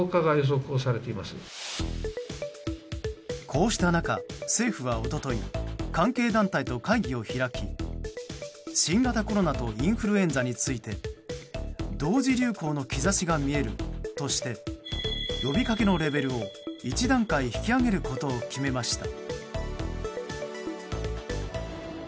こうした中、政府は一昨日関係団体と会議を開き新型コロナとインフルエンザについて同時流行の兆しが見えるとして呼びかけのレベルを１段階引き上げることを決めました。